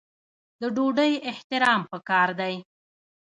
د ډوډۍ احترام پکار دی.